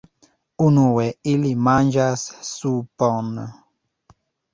Unue ili manĝas supon.